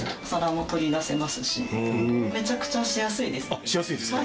あっしやすいですか？